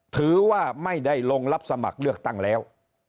ถือว่าไม่ได้ลงรับสมัครเลือกตั้งแล้ว